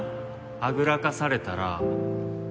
はぐらかされたら